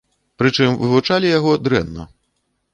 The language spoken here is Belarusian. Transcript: Прычым вывучалі яго дрэнна.